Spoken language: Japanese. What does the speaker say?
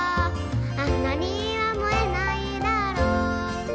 「あんなには燃えないだろう」